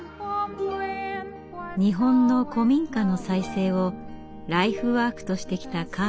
日本の古民家の再生をライフワークとしてきたカールさん。